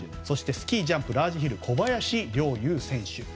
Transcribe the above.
そして、スキージャンプラージヒルの小林陵侑選手。